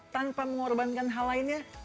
tanpa mengorbankan hal lainnya